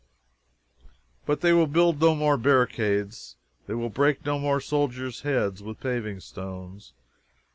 But they will build no more barricades, they will break no more soldiers' heads with paving stones.